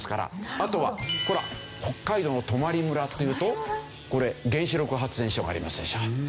あとはほら北海道の泊村というとこれ原子力発電所がありますでしょ。